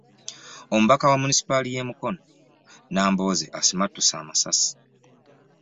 Omubaka wa munisipaali y'e Mukono, Nambooze asimattuse amasasi.